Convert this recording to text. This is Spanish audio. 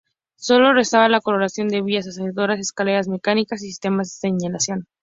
Solo restaba la colocación de vías, ascensores, escaleras mecánicas y sistemas de señalización.